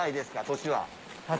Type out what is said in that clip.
年は。